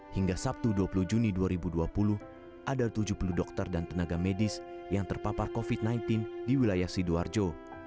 hingga sabtu dua puluh juni dua ribu dua puluh ada tujuh puluh dokter dan tenaga medis yang terpapar covid sembilan belas di wilayah sidoarjo